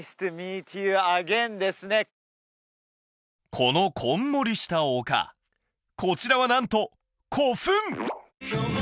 このこんもりした丘こちらはなんと古墳！